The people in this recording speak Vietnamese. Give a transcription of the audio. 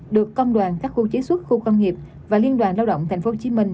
được công đoàn các khu chế xuất khu công nghiệp và liên đoàn lao động tp hcm